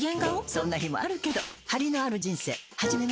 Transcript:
そんな日もあるけどハリのある人生始めましょ。